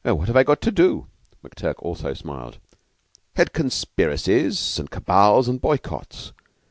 "What have I got to do?" McTurk also smiled. "Head conspiracies and cabals and boycotts.